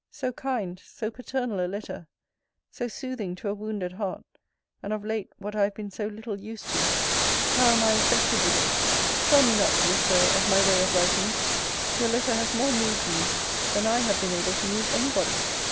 So kind, so paternal a letter! so soothing to a wounded heart; and of late what I have been so little used to! How am I affected with it! Tell me not, dear Sir, of my way of writing: your letter has more moved me, than I have been able to move any body!